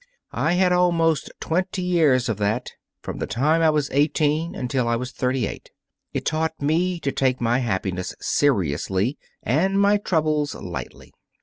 I had almost twenty years of that from the time I was eighteen until I was thirty eight. It taught me to take my happiness seriously and my troubles lightly."